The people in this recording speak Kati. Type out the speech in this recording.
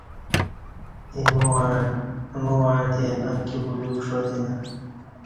ایمو وعں تے امکی بلیوک ݜاتینہ